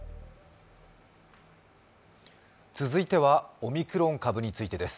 続いてはオミクロン株についてです。